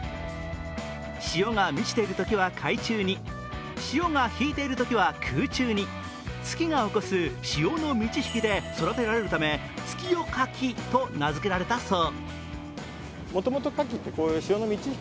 潮が満ちているときは海中に、潮が引いているときは空中に月が起こす潮の満ち引きで育てられるため月夜牡蠣と名付けられたそう。